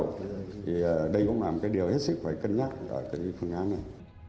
thì đây cũng là một cái điều hết sức phải cân nhắc ở cái phương án này